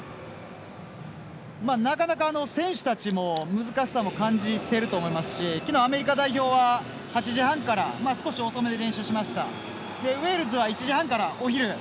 なかなか、選手たちも難しさを感じてると思いますし昨日アメリカ代表は８時半から少し遅めに練習してウェールズは１時半からお昼。